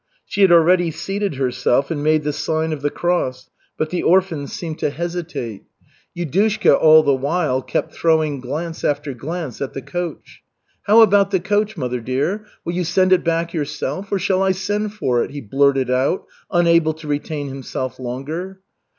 She had already seated herself and made the sign of the cross, but the orphans seemed to hesitate. Yudushka, all the while, kept throwing glance after glance at the coach. "How about the coach, mother dear? Will you send it back yourself or shall I send for it?" he blurted out, unable to retain himself longer.